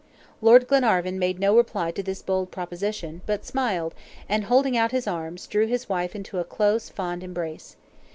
Lord Glenarvan made no reply to this bold proposition, but smiled, and, holding out his arms, drew his wife into a close, fond embrace.